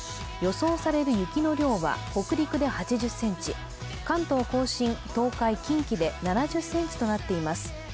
予想される雪の量は、北陸で８０ｃｍ、関東甲信・東海・近畿で７０ｃｍとなっています。